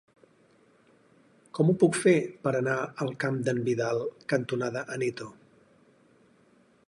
Com ho puc fer per anar al carrer Camp d'en Vidal cantonada Aneto?